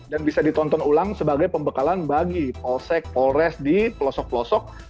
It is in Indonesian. dan bisa ditonton ulang sebagai pembekalan bagi possek pores di pelosok pelosok